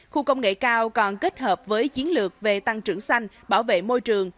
khu công nghệ cao còn kết hợp với chiến lược về tăng trưởng xanh bảo vệ môi trường